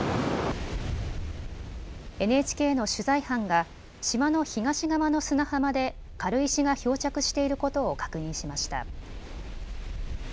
ＮＨＫの取材班が島の東側の砂浜で軽石が漂着していることを確認しました。